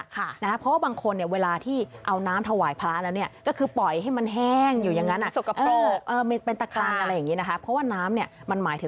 คืออะไรได้เช่นกัน